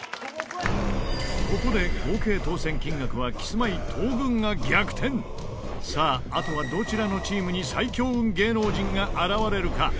ここで、合計当せん金額はキスマイ・東軍が逆転さあ、あとはどちらのチームに最強運芸能人が現れるか